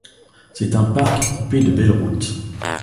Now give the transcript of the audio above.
C’est un parc coupé de belles routes.